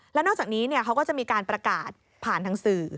แล้วนอกจากนี้เขาก็จะมีการประกาศผ่านทางสื่อ